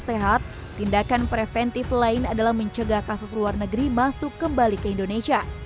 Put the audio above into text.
sehat tindakan preventif lain adalah mencegah kasus luar negeri masuk kembali ke indonesia